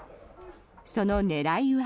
その狙いは。